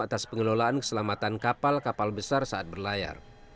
atas pengelolaan keselamatan kapal kapal besar saat berlayar